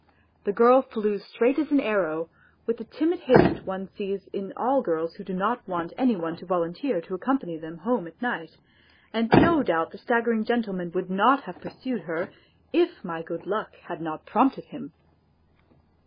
The girl flew straight as an arrow, with the timid haste one sees in all girls who do not want any one to volunteer to accompany them home at night, and no doubt the staggering gentleman would not have pursued her, if my good luck had not prompted him.